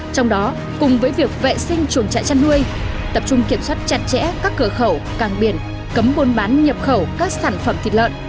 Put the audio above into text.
trong đó cùng với việc vệ sinh chuồng trại chăn nuôi tập trung kiểm soát chặt chẽ các cửa khẩu càng biển cấm buôn bán nhập khẩu các sản phẩm thịt lợn